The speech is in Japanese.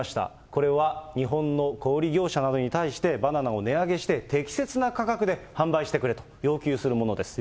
これは日本の小売り業者などに対して、バナナを値上げして、適切な価格で販売してくれと要求するものです。